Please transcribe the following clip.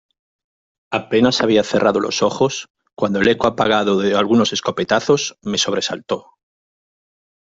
apenas había cerrado los ojos cuando el eco apagado de algunos escopetazos me sobresaltó: